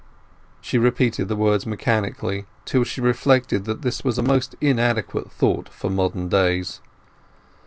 She repeated the words mechanically, till she reflected that this was a most inadequate thought for modern days.